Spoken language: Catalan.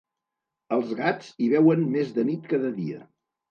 Els gats hi veuen més de nit que de dia.